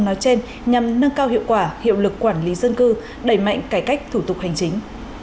nói trên nhằm nâng cao hiệu quả hiệu lực quản lý dân cư đẩy mạnh cải cách thủ tục hành chính